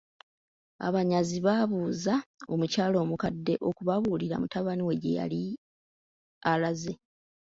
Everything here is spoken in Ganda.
Abanyazi baabuuza omukyala omukadde okubabuulira mutabani we gye yali alaze.